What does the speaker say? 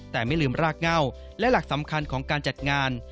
แต่ไม่ลืมรากเง่าและหลักสำคัญของการจัดงาน